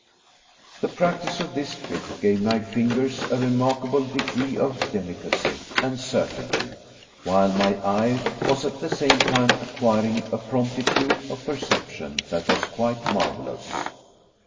The practice of this trick gave my fingers a remarkable degree of delicacy and certainty, while my eye was at the same time acquiring a promptitude of perception that was quite marvelous.